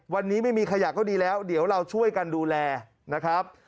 วันนี้ไม่มีขยะก็ดีแล้วเดี๋ยวเราช่วยกันดูแลนะครับ